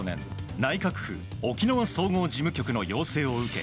内閣府沖縄総合事務局の要請を受け